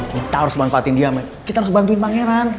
kita harus manfaatin dia kita harus bantuin pangeran